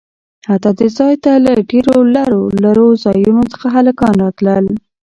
حتا د ځاى ته له ډېرو لرو لرو ځايونه څخه هلکان راتلل.